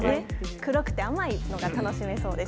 黒くて甘いのが楽しめそうです。